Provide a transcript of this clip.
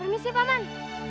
permisi pak man